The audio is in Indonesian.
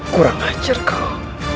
kurang anjir kau